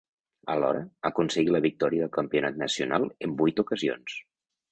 Alhora, aconseguí la victòria del campionat nacional en vuit ocasions.